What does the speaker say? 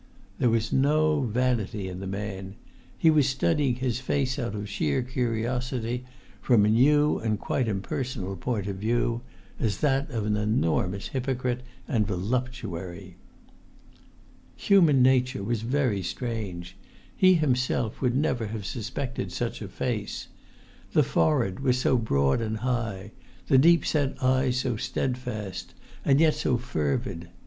There was no vanity in the man; he was studying his face out of sheer curiosity, from a new and quite impersonal point of view, as that of an enormous hypocrite and voluptuary. [Pg 31]Human nature was very strange: he himself would never have suspected such a face. The forehead was so broad and high, the deep set eyes so steadfast, and yet so fervid!